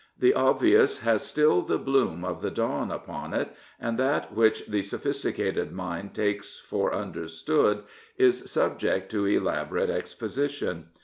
The obvious has still the bloom of the dawn upon it, and that which the sophisticated mind takes for understood is subject to elaborate exposition.